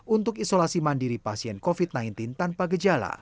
untuk isolasi mandiri pasien covid sembilan belas tanpa gejala